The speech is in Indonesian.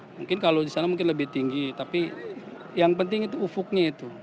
mungkin kalau di sana mungkin lebih tinggi tapi yang penting itu ufuknya itu